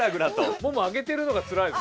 もも上げてるのがつらいです。